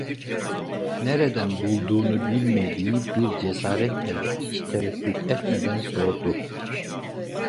Nereden bulduğunu bilmediği bir cesaretle ve hiç tereddüt etmeden sordu: